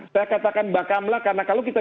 saya katakan bakamlah karena kalau kita